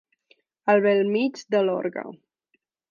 Al bell mig de l'orgue.